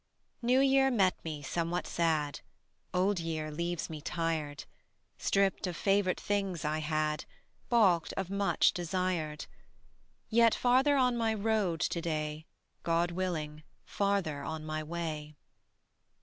New Year met me somewhat sad: Old Year leaves me tired, Stripped of favorite things I had, Balked of much desired: Yet farther on my road to day, God willing, farther on my way.